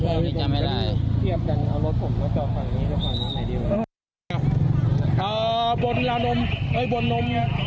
ไม่จำไม่ได้เอารถผมมาจอดฝั่งนี้นะครับอ่าบนลามนมเอ้ยบนลมเนี่ย